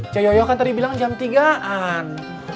coyoyoh kan tadi bilang jam tigaan